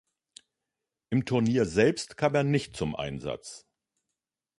Im Turnier selbst kam er nicht zum Einsatz.